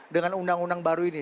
dengan undang undang baru ini